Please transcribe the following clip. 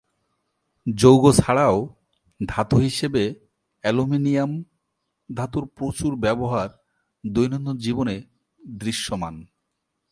যৌগ ছাড়াও ধাতু হিসেবে অ্যালুমিনিয়াম ধাতুর প্রচুর ব্যবহার দৈনন্দিন জীবনে দৃশ্যমান।